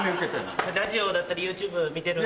ラジオだったりＹｏｕＴｕｂｅ見てるんで。